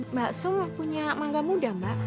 mbak su punya mangga muda mbak